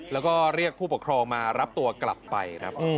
แล้วก็เรียกผู้ปกครองมารับตัวกลับไปครับ